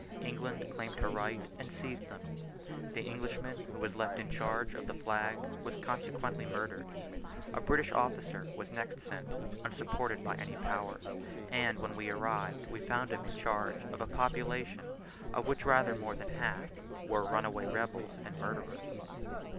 England claimed her right and seized them. The Englishman who was left in charge of the flag was consequently murdered. A British officer was next sent, unsupported by any power: and when we arrived, we found him in charge of a population, of which rather more than half were runaway rebels and murderers.